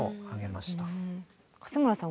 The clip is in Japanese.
勝村さん